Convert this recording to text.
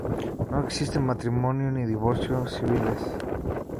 No existen matrimonio ni divorcio civiles.